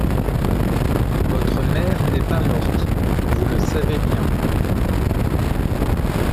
Votre mère n'est pas morte, vous le savez bien.